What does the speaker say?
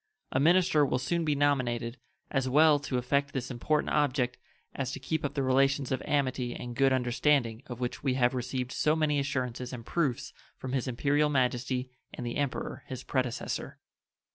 A minister will soon be nominated, as well to effect this important object as to keep up the relations of amity and good understanding of which we have received so many assurances and proofs from His Imperial Majesty and the Emperor his predecessor.